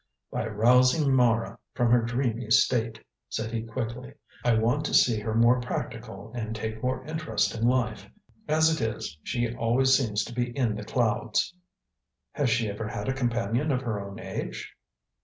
"By rousing Mara from her dreamy state," said he quickly. "I want to see her more practical and take more interest in life. As it is, she always seems to be in the clouds." "Has she ever had a companion of her own age?"